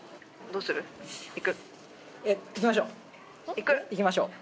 行く？行きましょう！